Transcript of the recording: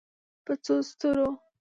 په څو ستورو